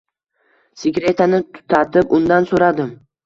Sigaretani tutatib, undan so`radim